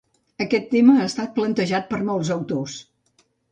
Aquest tema ha estat plantejat per molts autors.